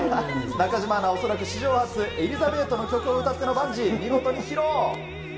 中島アナ、恐らく史上初、エリザベートの曲を歌ってのバンジー、見事に披露。